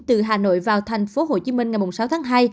từ hà nội vào tp hcm ngày mùng sáu tháng hai